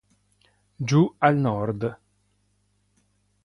Giù al Nord